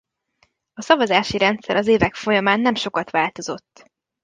A szavazási rendszer az évek folyamán nem sokat változott.